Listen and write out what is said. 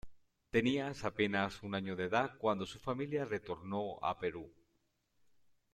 Tenía apenas un año de edad cuando su familia retornó al Perú.